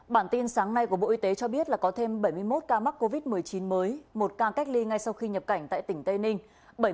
bản tin sáng nay của bộ y tế cho biết là có thêm bảy mươi một ca mắc covid một mươi chín mới một ca cách ly ngay sau khi nhập cảnh tại tỉnh tây ninh